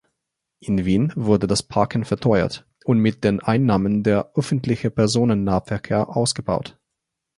In Wien wurde das Parken verteuert und mit den Einnahmen der Öffentliche Personennahverkehr ausgebaut.